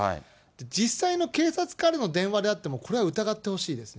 実際の警察からの電話であってもこれは疑ってほしいですね。